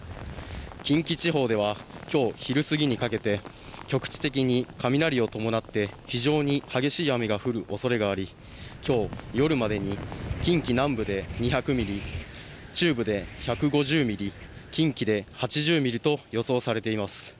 近畿地方では今日、昼過ぎにかけて局地的に雷を伴って非常に激しい雨が降るおそれがあり、今日夜までに近畿南部で２００ミリ中部で１５０ミリ、近畿で８０ミリと予想されています。